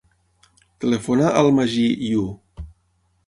Telefona al Magí Yu.